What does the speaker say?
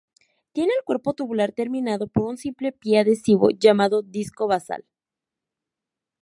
Tienen el cuerpo tubular terminado por un simple pie adhesivo llamado disco basal.